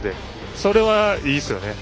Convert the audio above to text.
それはいいですよね。